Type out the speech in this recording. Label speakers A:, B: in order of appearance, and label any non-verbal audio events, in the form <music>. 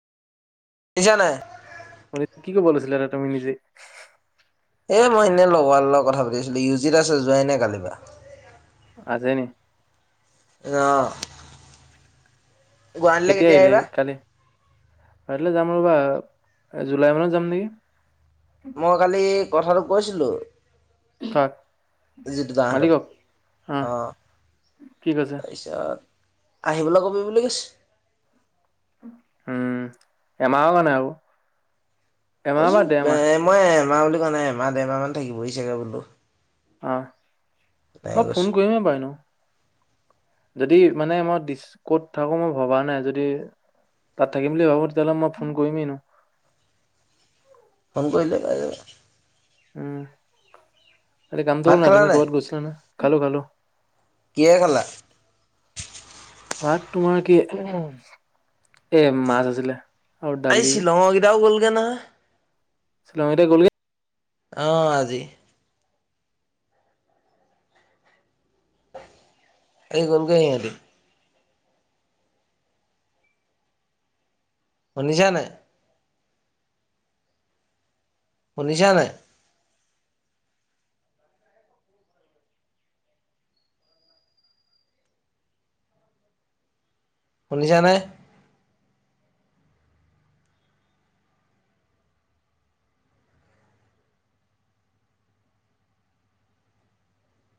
A: শুনিছা নাই?
B: ঘৰত কিবা বনাইছে? <unintelligible> তুমি নিজে।
A: এ, মই এনেই লগোৱাৰ লগত কথা পাতিছিলো ইয়উজিত আছে, যোৱাই নে কালিৰ পৰা।
B: আজি নি?
A: অ।
B: কেতিয়া আহিলে? কালি, কালৈ যাম। ৰবা জুলাই মানত যাম নেকি?
A: মই কালি? কথাটো কৈছিলো।
B: কাক,
A: জিতু দাহঁতক
B: মালিকক অহ,
A: অঁ
B: কি কৈছে?
A: তাৰপিছত আহিবলৈ কবি বুলি কৈছে।
B: উম, এমাহৰ মানে আৰু।
A: কৈছো, এ, মই এমাহ বুলি কোৱা নাই, এমাহ-দেৰমাহ মান থাকিব চাগে বোলো।
B: অহ।
A: তেনেকে
B: মই
A: কৈছো।
B: ফোন কৰিমেই বাৰু এনেও। যদি মানে মই দিচ ক'ত থাকো মই ভবা নাই যদি তাত থাকিম বুলি ভাবো তেতিয়াহ'লে মই ফোন কৰিমেই ন।
A: ফোন কৰিলে পাই যাবা।
B: উ। কালি কামটো
A: ভাত
B: হ'ল নাই
A: খালা
B: তুমি ক'বাত গৈছিলা নহয়? খালো-খালো।
A: কিহেৰে খালা?
B: ভাত তোমাৰ কি, এ মাছ আছিলে। আৰু
A: আজি
B: দালি
A: শ্বিলংৰ কেইটাও গ'লগে নহয়।
B: লগৰকিটা গ'লগে
A: অ', আজি। এই গলগৈ সিহঁতি। শুনিছা নাই। শুনিছা নাই। শুনিছানে।